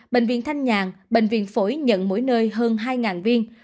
bệnh viện thanh nhàn bệnh viện phổi nhận mỗi nơi hơn hai viên